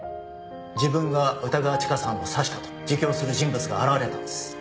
自分が歌川チカさんを刺したと自供する人物が現れたんです。